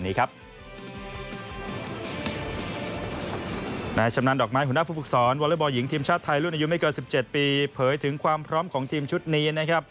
ในชำนาญดอกไม้หุ่นด้าภูกษรวัลย์บอร์ดหญิงทีมชาติไทยรุ่นอายุไม่เกิน๑๗ปีเผยถึงความพร้อมของทีมชุดนี้